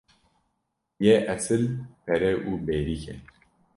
Yê esil pere û berîk e.